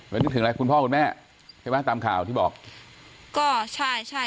แล้วนึกถึงอะไรคุณพ่อคุณแม่ใช่ไหมตามข่าวที่บอกก็ใช่ใช่